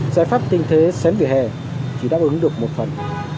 giải pháp tinh thế xém về hè chỉ đáp ứng được một phần